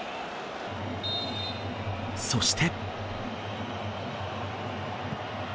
そして。